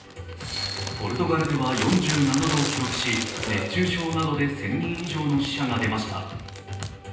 ポルトガルでは４７度を記録し熱中症などで１０００人以上の死者が出ました。